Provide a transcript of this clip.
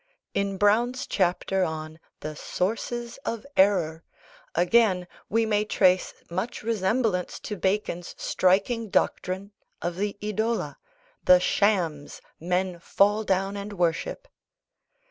In Browne's chapter on the "Sources of Error," again, we may trace much resemblance to Bacon's striking doctrine of the Idola, the "shams" men fall down and worship.